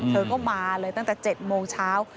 เธอก็มาเลยตั้งแต่๗โมงเช้า